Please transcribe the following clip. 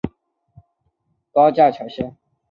公交候车区位于城轨高架桥下。